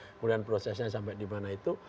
kemudian prosesnya sampai dimana itu